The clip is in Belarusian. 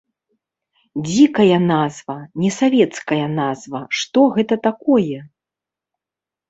Дзікая назва, несавецкая назва, што гэта такое?